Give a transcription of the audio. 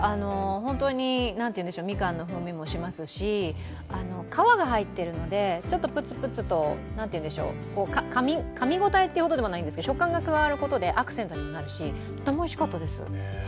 本当にみかんの風味もしますし皮が入っているので、ちょっとプツプツとかみ応えっていうほどではないんですけど食感が加わることでアクセントにもなるしとってもおいしかったです。